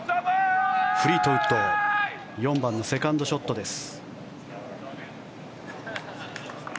フリートウッド４番のセカンドショットです。